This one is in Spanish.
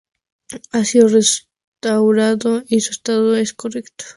Ha sido restaurado y su estado es correcto.